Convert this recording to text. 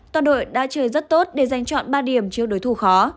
toàn đội đã chơi rất tốt để giành chọn ba điểm trước đối thủ khó